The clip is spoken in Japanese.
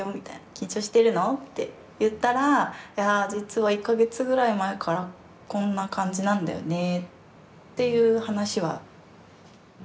緊張しているの？って言ったらいや、実は１か月ぐらい前からこんな感じなんだよねっていう話は。